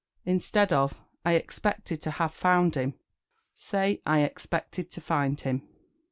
Instead of "I expected to have found him," say "I expected to find him."